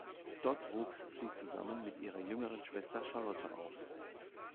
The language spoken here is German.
Dort wuchs sie zusammen mit ihrer jüngeren Schwester Charlotte auf.